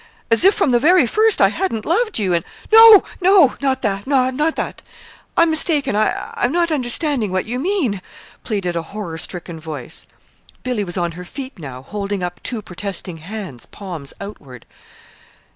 As if from the very first I hadn't loved you, and " "No, no, not that not that! I'm mistaken! I'm not understanding what you mean," pleaded a horror stricken voice. Billy was on her feet now, holding up two protesting hands, palms outward.